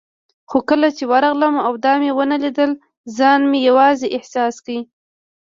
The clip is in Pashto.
خو کله چې ورغلم او دا مې ونه لیدل، ځان مې یوازې احساس کړ.